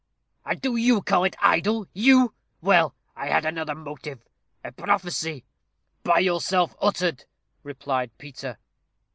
"And do you call it idle? You! Well I had another motive a prophecy." "By yourself uttered," replied Peter.